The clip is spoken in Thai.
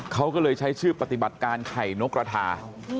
เขาก็เลยใช้ชื่อปฏิบัติการไข่นกกระทา